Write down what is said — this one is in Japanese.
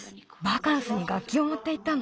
バカンスにがっきをもっていったの？